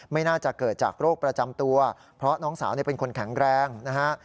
ไม่น่าจะเกิดจากโรคประจำตัวเพราะน้องสาวเป็นคนแข็งแรงนะฮะ